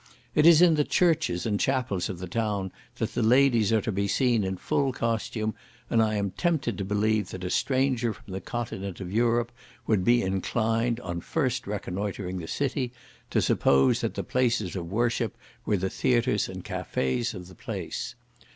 It is in the churches and chapels of the town that the ladies are to be seen in full costume; and I am tempted to believe that a stranger from the continent of Europe would be inclined, on first reconnoitering the city, to suppose that the places of worship were the theatres and cafes of the place.